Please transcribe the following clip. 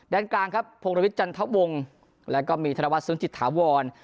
ด้านกลางครับพงรวิทยจันทวงแล้วก็มีธนวัฒนซึ้งจิตถาวร